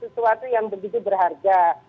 suatu yang begitu berharga